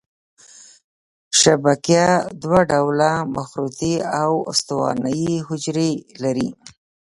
شبکیه دوه ډوله مخروطي او استوانه یي حجرې لري.